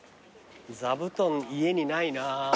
座布団家にないな。